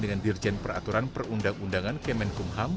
dengan dirjen peraturan perundang undangan kemenkumham